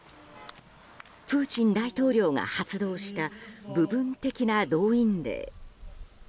プーチン大統領が発動した部分的な動員令。